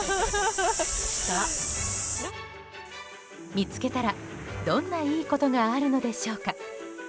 見つけたら、どんないいことがあるのでしょうか。